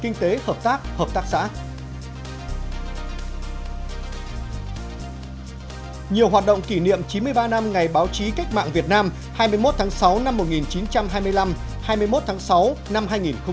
nhiều hoạt động kỷ niệm chín mươi ba năm ngày báo chí cách mạng việt nam hai mươi một tháng sáu năm một nghìn chín trăm hai mươi năm hai mươi một tháng sáu năm hai nghìn một mươi chín